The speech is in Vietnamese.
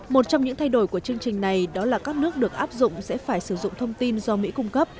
một trong những thay đổi của chương trình này đó là các nước được áp dụng sẽ phải sử dụng thông tin do mỹ cung cấp